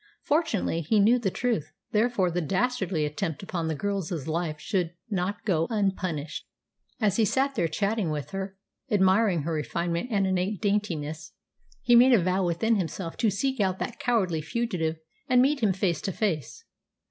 Fortunately, he knew the truth, therefore that dastardly attempt upon the girl's life should not go unpunished. As he sat there chatting with her, admiring her refinement and innate daintiness, he made a vow within himself to seek out that cowardly fugitive and meet him face to face.